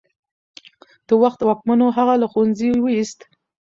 د وخت واکمنو هغه له ښوونځي ویست.